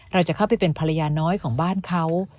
เราจะเข้าไปเป็นภรรยาน้อยของบ้านเขา